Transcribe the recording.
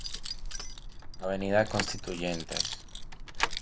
Constituyentes, Av.